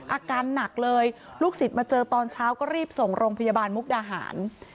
อาการหนักเลยลูกศิษย์มาเจอตอนเช้าก็รีบส่งโรงพยาบาลมุกดาหาร